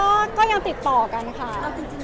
ตอนจริงเราไม่ใช้คำนั้นค่ะ